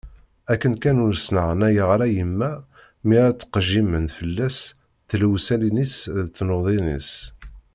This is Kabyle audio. Akken kan ur sneɣnayeɣ ara yemma mi ara ttqejjiment fell-as tlewsatin-is d tnuḍin-is